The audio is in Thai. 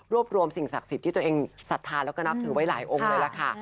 รวมสิ่งศักดิ์สิทธิ์ที่ตัวเองศรัทธาแล้วก็นับถือไว้หลายองค์เลยล่ะค่ะ